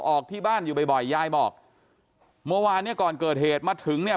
ออกที่บ้านอยู่บ่อยบ่อยยายบอกเมื่อวานเนี่ยก่อนเกิดเหตุมาถึงเนี่ย